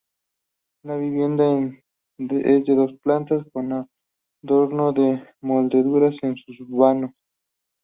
La vivienda es de dos plantas, con adorno de molduras en sus vanos.